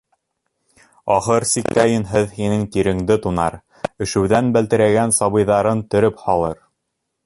Ахыр сиктә Йөнһөҙ һинең тиреңде тунар — өшөүҙән бәлтерәгән сабыйҙарын төрөп һалыр.